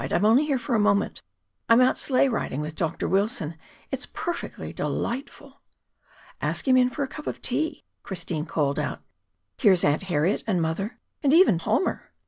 "I am only here for a moment. I am out sleigh riding with Dr. Wilson. It's perfectly delightful." "Ask him in for a cup of tea," Christine called out. "Here's Aunt Harriet and mother and even Palmer!"